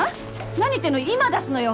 何言ってんの今出すのよ！